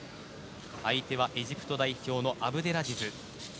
相手はエジプト代表のアブデラジズ。